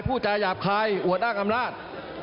ผู้จาหยาบคายอวดอ้างอำนาจ